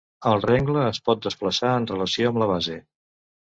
El regle es pot desplaçar en relació amb la base.